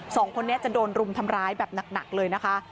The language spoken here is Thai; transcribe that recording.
สองคนนี้จะโดนรุมทำร้ายแบบหนักเลยนะคะ